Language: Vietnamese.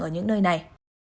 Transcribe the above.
ở những nơi này